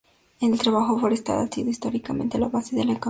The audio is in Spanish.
El trabajo forestal ha sido históricamente la base de la economía local.